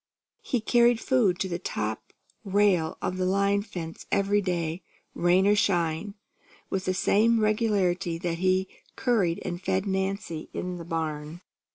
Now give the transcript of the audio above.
He carried food to the top rail of the line fence every day, rain or shine, with the same regularity that he curried and fed Nancy in the barn.